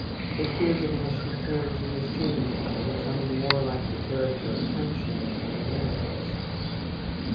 They feared the national character was changing, and becoming more like the character of Frenchmen and Americans.